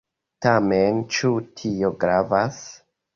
Tamen, ĉu tio gravas?